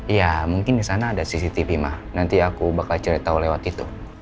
ya mungkin disana ada cctv ma nanti aku bakal ceritau lewat itu